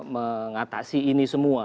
mengatasi ini semua